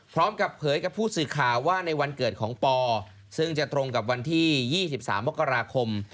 พร้อมกับเผยกับผู้สื่อข่าวว่าในวันเกิดของปอซึ่งจะตรงกับวันที่๒๓มกราคม